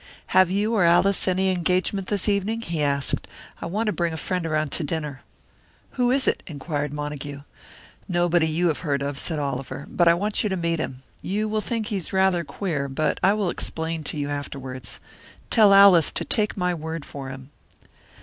"Have you or Alice any engagement this evening?" he asked. "I want to bring a friend around to dinner." "Who is it?" inquired Montague. "Nobody you have heard of," said Oliver. "But I want you to meet him. You will think he's rather queer, but I will explain to you afterwards. Tell Alice to take my word for him."